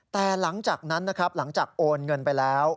แต่หลังจากนั้นนะครับหลังจากโอนเงินไปแล้ว